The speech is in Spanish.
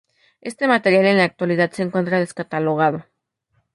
Este material en la actualidad se encuentra descatalogado.